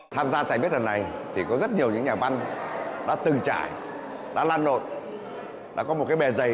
tham gia trại bếp thần này thì có rất nhiều những nhà văn đã từng trải đã lan lộn đã có một bề dày